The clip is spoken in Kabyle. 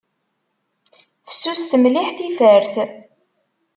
Fessuset mliḥ tifart.